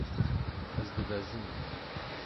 Ez dibezim.